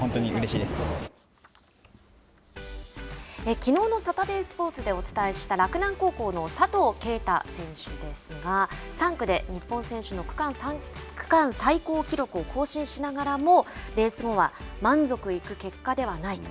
きのうのサタデースポーツでお伝えした洛南高校の佐藤圭汰選手ですが３区で日本選手の区間最高記録を更新しながらもレース後は満足いく結果ではないと。